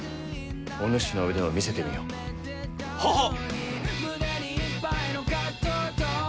お主の腕を見せてみよ。ははっ！